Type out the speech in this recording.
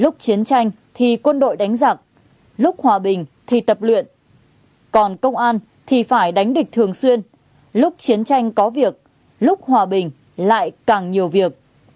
lúc chiến tranh thì quân đội đánh giặc lúc hòa bình thì tập luyện còn công an thì phải đánh địch thường xuyên lúc chiến tranh có việc lúc hòa bình lại càng nhiều việc